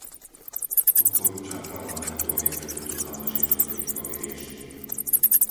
Odporúčam Parlamentu, aby sme túto záležitosť rýchlo vyriešili.